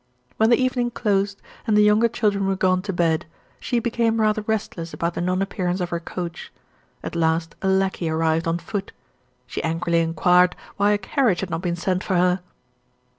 When the evening closed, and the younger children were gone to bed, she became rather restless about the non appearance of her coach. At last a lacquey arrived on foot. She angrily inquired why a carriage had not been sent for her?